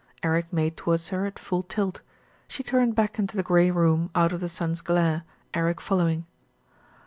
Eric made towards her at full tilt. She turned back into the grey room out of the sun's glare, Eric fol lowing.